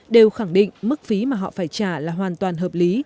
đều khẳng định mức phí mà họ phải trả là hoàn toàn hợp lý